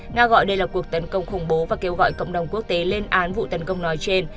nga gọi đây là cuộc tấn công khủng bố và kêu gọi cộng đồng quốc tế lên án vụ tấn công nói trên